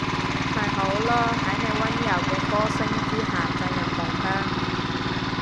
咪好囉，喺你溫柔嘅歌聲之下進入夢鄉